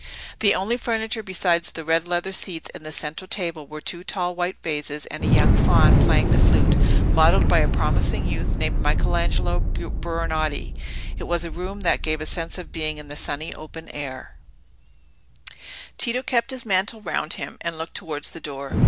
The only furniture besides the red leather seats and the central table were two tall white vases, and a young faun playing the flute, modelled by a promising youth named Michelangelo Buonarotti. It was a room that gave a sense of being in the sunny open air. Tito kept his mantle round him, and looked towards the door.